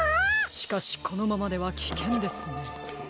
しかしこのままではきけんですね。